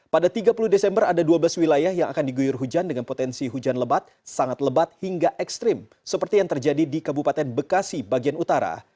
pada tiga puluh desember ada dua belas wilayah yang akan diguyur hujan dengan potensi hujan lebat sangat lebat hingga ekstrim seperti yang terjadi di kabupaten bekasi bagian utara